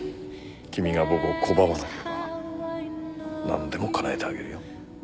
君が僕を拒まなければ何でもかなえてあげるよ。